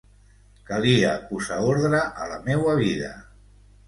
Calia posar ordre a la meua vida.